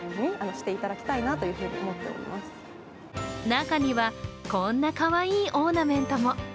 中には、こんなかわいいオーナメントも。